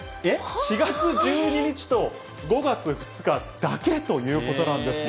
４月１２日と５月２日だけということなんですね。